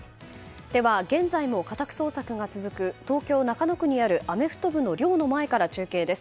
では現在も家宅捜索が続く東京・中野区にあるアメフト部の寮の前から中継です。